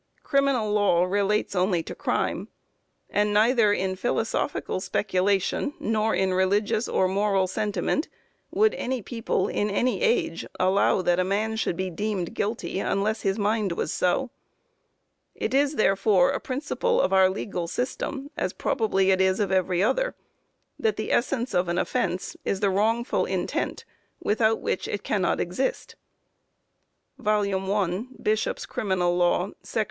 Criminal law relates only to crime. And neither in philosophical speculation, nor in religious or moral sentiment, would any people in any age allow that a man should be deemed guilty unless his mind was so. It is, therefore, a principle of our legal system, as probably it is of every other, that the essence of an offence is the wrongful intent without which it cannot exist." (_1 Bishop's Crim. Law, §287.